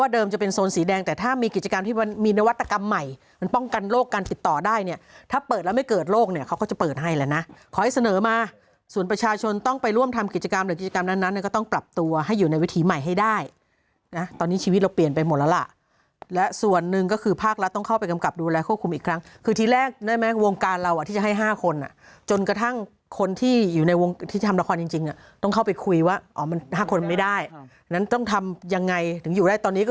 เดิมจะเป็นโซนสีแดงแต่ถ้ามีกิจกรรมที่มันมีนวัตกรรมใหม่มันป้องกันโรคการติดต่อได้เนี่ยถ้าเปิดแล้วไม่เกิดโรคเนี่ยเขาก็จะเปิดให้แล้วนะขอให้เสนอมาส่วนประชาชนต้องไปร่วมทำกิจกรรมหรือกิจกรรมนั้นนั้นก็ต้องปรับตัวให้อยู่ในวิถีใหม่ให้ได้นะตอนนี้ชีวิตเราเปลี่ยนไปหมดแล้วล่ะและส่วนหนึ่งก็ค